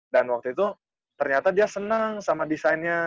dan waktu itu ternyata dia senang sama desainnya